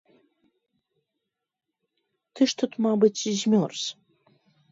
Ты ж тут, мабыць, змёрз.